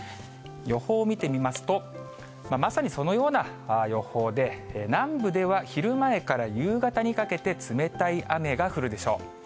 予報を見てみますと、まさにそのような予報で、南部では昼前から夕方にかけて、冷たい雨が降るでしょう。